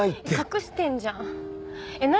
隠してんじゃん。何？